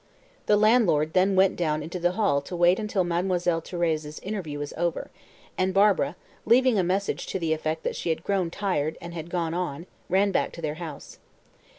The landlord then went down into the hall to wait until Mademoiselle Thérèse's interview was over, and Barbara, leaving a message to the effect that she had grown tired and had gone on, ran back to their house.